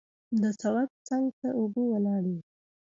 د سړک څنګ ته اوبه ولاړې وې.